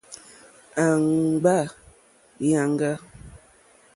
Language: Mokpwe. Àŋɡbá lìàŋɡà.